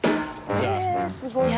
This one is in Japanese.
えすごいわ。